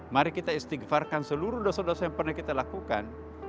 mari kita istighfarkan seluruh dosa dosa yang pernah kita lakukan